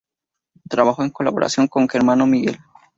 Trabajó en colaboración con su hermano Miquel.